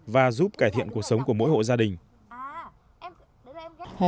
và giúp cải thiện cuộc sống của mỗi hộ gia đình